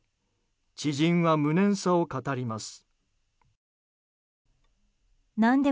知人は無念さを語ります。